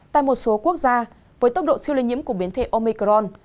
tại một số quốc gia với tốc độ siêu lây nhiễm của biến thể omicron